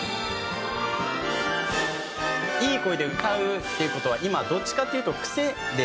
いい声で歌うっていう事は今どっちかっていうと癖で。